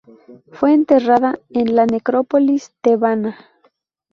Fue enterrada en la necrópolis tebana.